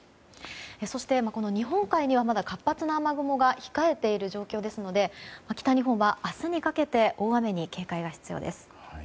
そして、日本海にはまだ活発な雨雲が控えている状況ですので北日本は明日にかけて大雨に警戒が必要です。